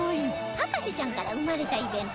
『博士ちゃん』から生まれたイベント